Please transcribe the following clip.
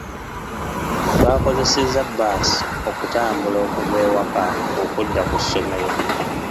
Twakozesezza bbaasi okutambula okuva ewaka okudda ku ssomero .